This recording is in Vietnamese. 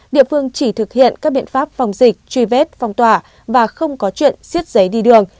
địa phương chỉ thực hiện các biện pháp phòng dịch truy vết phòng tòa và không có chuyện siết giấy đi đường